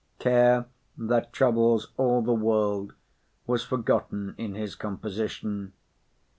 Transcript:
Care, that troubles all the world, was forgotten in his composition.